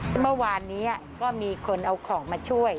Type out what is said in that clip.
เมื่อวานนี้ก็มีคนเอาของมาช่วย